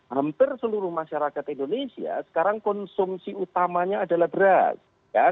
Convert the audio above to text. hampir seluruh masyarakat indonesia sekarang konsumsi utamanya adalah beras